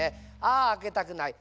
あああけたくない。